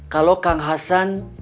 kalau kang hasan